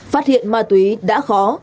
phát hiện ma túy đã khó